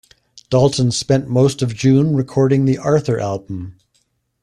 Dalton spent most of June recording the "Arthur" album.